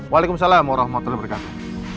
waalaikumsalam warahmatullahi wabarakatuh